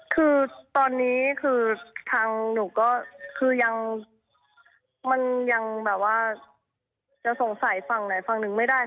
คือตอนนี้คือทางหนูก็คือยังมันยังแบบว่าจะสงสัยฝั่งไหนฝั่งหนึ่งไม่ได้